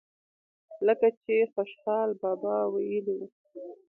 لکه چې خوشحال بابا وئيلي وو۔